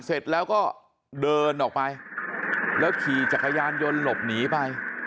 เสร็จแล้วก็เดินออกไปแล้วขี่จักรยานยนต์หลบหนีไป